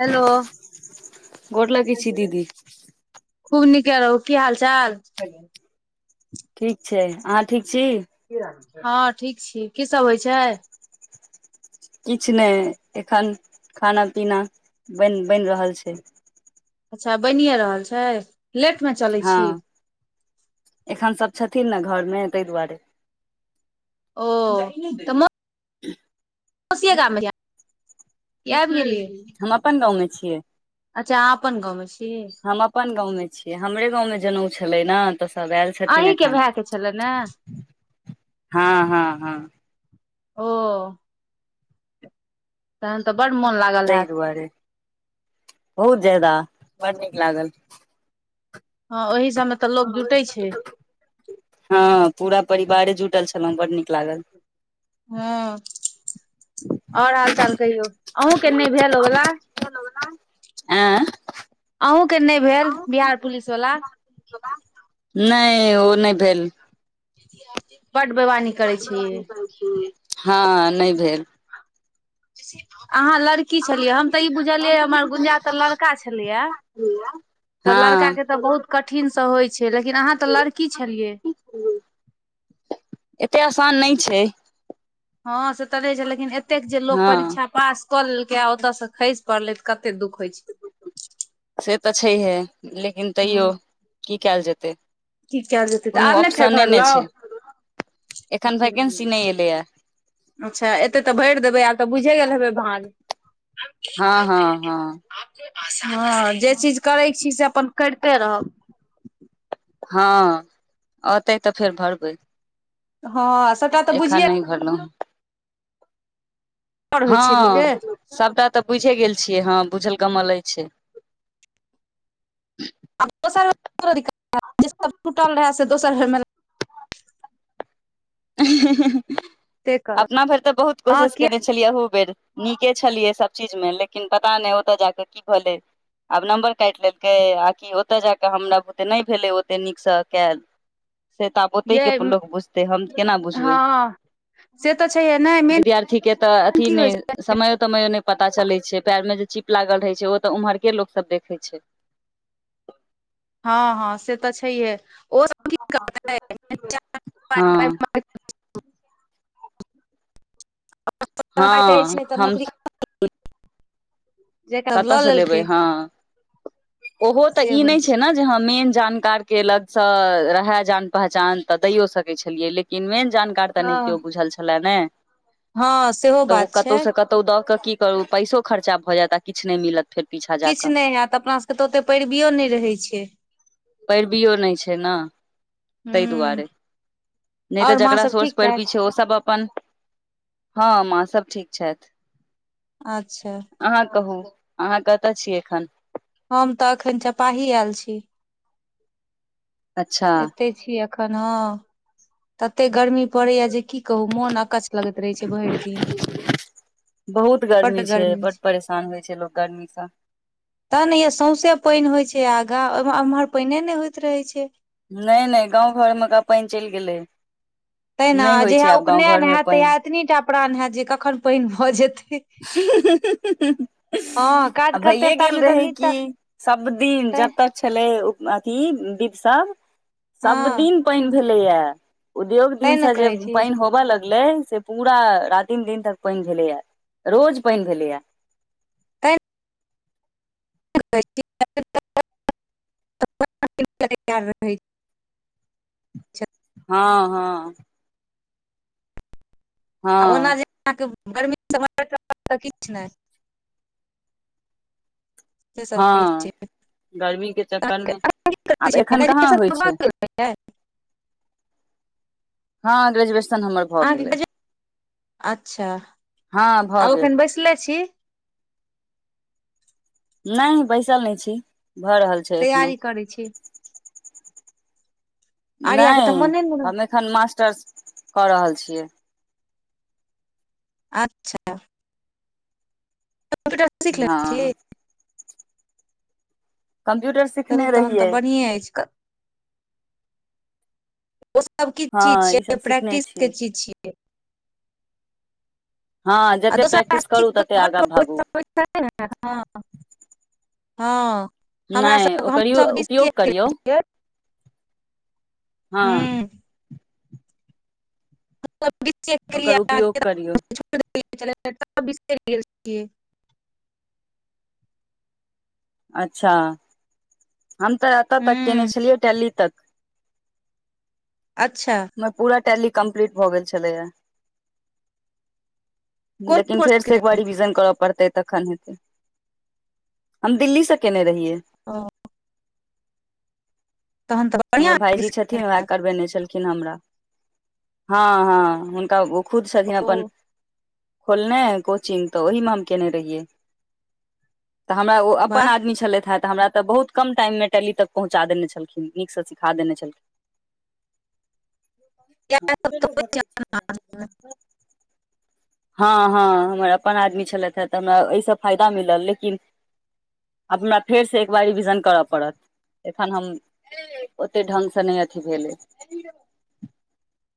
Hello. गोर लगै छी दीदी खूब नीके राउर की हाल चाल। ठीक छै, अहाँ ठीक छी। हँ ठीक छी, की सब होइ छै। किछु नहि, एखन खाना पीना बन बनि रहल छै। अच्छा बनिए रहल छै, लेटमे चलैत हँ छी। एखन सब छथिन ने घर मे ताहि दुआरे। ओ, त मो [unintelligible] कोसिये गाम म ये भीरी हम अपन गाँवमें छियै। अच्छा आपन गामे छीिय। हम अपन गाँवमे छीियै, हमरे गाँवमे जनउ छलै ने। तऽ सब आयल छथिन अहीं के एखन, भाय के छले ने हँ, हँ, हँ। ओ तहन त बड मन लाग तहि दुआरे बहुत ज्यादा बड़ नीक लागल। हँ ओहि सभमे तऽ लोक जुटै छैय। हँ पूरा परिवारे जुटल छलहुँ बड नीक लागल। ह आओर हाल चाल कहियौ अहुँ के नहि भेल ओवला। आँ अहुंके नहि भेल बिहार पुलिस वला नहि ओ नहि भेल। बड बैवानी [unintelligible] हँ नहि भेल। अहाँ लड़की छलियै हम तऽ ई बुझलियै हमर गुंजा तऽ लड़का छलैए। हँ तऽ लड़का के तऽ बहुत कठिनसँ होइ छैय लेकिन अहाँ तऽ लड़की छलियै। एतेक आसान नहि छैय। हँ से तऽ रहै छैय लेकिन एतेक जे लोक हँ परीक्षा पास कऽ लेलकै आ ओतयसँ खइस पड़ले त कते दुःख होइ छैय। से तऽ छैहे लेकिन तैयो हँ की कयल जेतै। की कयल जेतै तऽ कोनो आब नहि फेर ऑप्शने नहि भरलहुँ छैय एखन वैकेन्सी नहि एलैए। अच्छा एते तऽ भरि देबै आब तऽ बुझि गेल हबै भाज। हँ हँ हँ। हँ जे चीज करैत छी से अपन करिते रहब। हँ औतै तऽ फेर भरबै हँ सभटा तऽ एखन बुझिये नहि भरलहु। होइ छै लोकके हँ सबटा तऽ बुझे गेल छियै हँ बुझल कमल अछि छैय। आब दोसरूटल रहै से दोसर भरमे लागबे करत अपना भरि तऽ बहुत हँ कोशिश किया कने छी। छलियै ओहू बेर नीके छलियै सभ चीज मे लेकिन पता नहि ओतय जा कऽ की भेलै। आब नम्बर काटि लेलकै आकि ओतय ज कऽ हमरा बुते नहि भेलै ओते नीकसँ कयल। से तबोते के यै लोको बुझतेै हम। के बुझबै हँ से तऽ छैहे नहि मेन विद्यार्थी के तऽ अथी की होइ नहि छै समयो तमयो नहि पता चले छैय, पयर मे जे चीप लागल रहे छैय ओ तऽ उम्हर के लोको सब देखे छैय। हँ हँ से तऽ छैहे ओसभ की करतै हँ [unintelligible] [unintelligible] छै तऽ हँ हम नौकरी जेकरा कतऽ लऽ से लेबै लेलकै हँ ओहो तऽ से ई होइ नहि छैय छै ने मेन जानकार के लगसँ रहै जान पहचान तऽ दैयो सकैत छलियै लेकिन मेन जानकार तऽ नहि केओ हँ बुझल छल ने हँ सेहो तऽ ओ बात कतहु छै से कतहु तऽ ओ दऽ कऽ की करू पइसो खर्चा भऽ जायत आ किछु नै मिलत। फेर पीछा जा किछु कऽ नहि होयत अपना सभके तऽ ओतेक पैरबियो नहि रहैत छैय। पैरवियो नहि छैय ने ताहि हूँ दुआरे। नहि तऽ आओर माँ जकरा सब सोर्स ठीक पेर्वी छथि छैय ओ सब अपन, हँ माँ सब ठीक छथि। अच्छा। अहाँ कहू अहाँ कतऽ छी एखन। हम तऽ अखन चपाही आयल छी। अच्छा एतै छी एखन हँ, तते गर्मी पड़ैये जे की कहू मोन अकछ लगैत रहै छैय, भरि दिन बहुत गर्मी छैय, बड़ परेशान होय छैय लोक गर्मी सँ। त ने यै सौँसे पानि होय छैय, आ गाँ आ एम्हर पानिये नहि होइत रहै छै। नहि नहि गाँंव घरमे कऽ पानि चलि गेलै। तैं ने नहि होइ छै जहिया आब गाँव घर उपनयन मे हैत पानि तहिया एतनीटा प्राण हैत जे कखन पानि भऽ जेतै। हुँ-हुँ-हुँ-हुँ हँ अ आ भइये गेल रहै की। सब दिन तै जतय छलै, अथी विध सब हँ सभ दिन। पानि भेलैये, उद्योग तैं दिन ने से जे कहै छी पानि होबय लगलै पूरा रातिम दिन तक पानि भेलैये, रोज पानि भेलैये। तैं [unintelligible] छै हँ हँ आ ओना हँ जे अहाँके गर्मी समझबै त किछ नहि। से सब होय हँ छैय। गर्मी के चक्कर आब मे आब की करय आब छैय एखन कहाँ ग्रेजुएशन होइ त छै भऽ गेलै ने? हँ, ग्रेजुएशन हमर भऽ अहाँके गेलै ग्रेजे, अच्छा हँ भऽ आब गेल एखन बैसले छी? नहि हम बैसल नहि छी, भऽ रहल छैय। छैय जानो तैयारी करै छी आर्या के नहि तऽ मोने नहि रह हम अखन मास्टर्स कऽ रहल छियै। अच्छा कम्प्यूर सीख लने हँ छी। कम्प्यूटर सी चलू, तहन तऽ बढ़िये अछि। ओ सब किछु चीज हँ छियै, ई ईसभ सिखने प्रैक्टिस के चीज छियै। हँ, आ जते दोसर काज प्रैक्टिस सीख करू तते कऽ घर आगाँ भागू। [unintelligible] हमरा नहि सभके ओकर हमसभ डी सी उपयोग ए करियौ केने छियै। हँ हूँ एत बी टेक ओकर केलियै आ उपयोग करियौ छोड़ि देने छलियै हें सबटा बिसरि गेलियै। अच्छा हम तोरा एतऽ तक केने हूँ छलियै टैली तक। अच्छा हमर पूरा टैली कम्प्लीट भऽ गेल छलै हें। कोन लेकिन फेर कोर्स से केने एक बार रही रिविजन करब। पढ़तै तखन हेतै हम दिल्ली से केने रहियै। ओ तहन त हमर भाईजी छथिन्ह वैह करबेने छलखिन हमरा हँ हँ हुनका आगू खुद छलखिन्ह ओ अपन खोलने कोचिंग तऽ ओही मे हम केने रहियै। तऽ हमरा ओ अपन वाह आदमी छलथि हेँ तऽ हमरा तऽ बहुत कम टाइममे टैली तक पहुँचा देने छलखिन। नीक से सिखा देने छलखिन्ह। इएह सब तऽ फेरो होइ छै गर्मी छैय। अपना हाथमे हँ हँ, हमर अपन आदमी छलथि हेँ, तऽ हमरा एहिसँ फायदा मिलल, लेकिन आब हमरा फेरसे एक बेर रिविजन कर पड़त एखन हम ओतेक ढंगगसे नै अथि भेल अछि।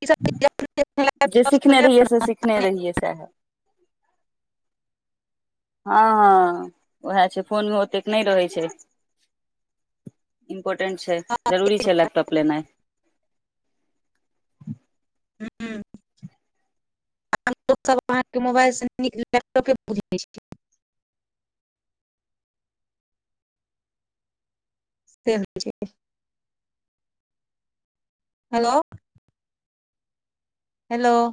ई सब चीज अपने जे लैपटॉप सब सिखने रहियै लेब से ने सिखने रहियै सैहे हँ हँ वैह छै फोनमे ओतेक नहि रहै छै। इम्पोर्टेंट छै, जरूरी छै लैपटॉप लेनाइ। हमसभ अहाँके मोबाइलसँ नीक लैपटॉपे बुझैत छी [unintelligible] त ीक छै [unintelligible] हेलो। हेलो।